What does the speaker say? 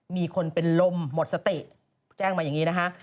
มีคนเป็นลมหมดสติแจ้งมาอย่างนี้นะคะ